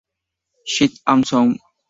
Sight and Sound.